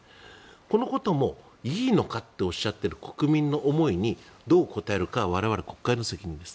このことも、いいのかっておっしゃっている国民の思いにどう応えるかは我々国会の責任です。